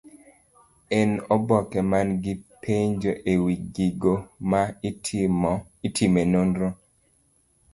En oboke man gi penjo ewi gigo ma itime nonro.